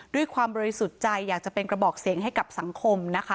ด้วยความบริสุทธิ์ใจอยากจะเป็นกระบอกเสียงให้กับสังคมนะคะ